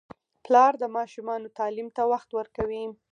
پلار د ماشومانو تعلیم ته وخت ورکوي.